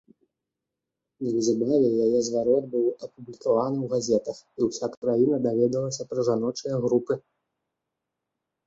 Неўзабаве яе зварот быў апублікаваны ў газетах, і ўся краіна даведалася пра жаночыя групы.